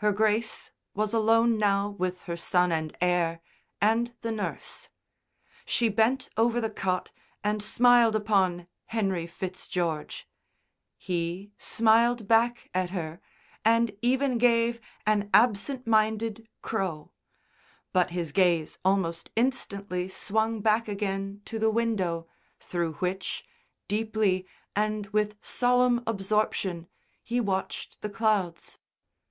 Her Grace was alone now with her son and heir and the nurse. She bent over the cot and smiled upon Henry Fitzgeorge; he smiled back at her, and even gave an absent minded crow; but his gaze almost instantly swung back again to the window, through which, deeply and with solemn absorption, he watched the clouds.